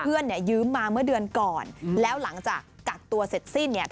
เพื่อนยืมมาเมื่อเดือนก่อนแล้วหลังจากกัดตัวเสร็จสิ้น